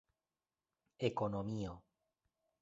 ekonomio